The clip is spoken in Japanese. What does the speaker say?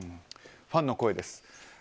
ファンの声です。